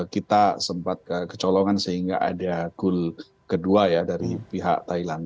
kita sempat kecolongan sehingga ada goal kedua ya dari pihak thailand